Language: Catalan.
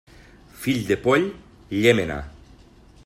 Fill de poll, llémena.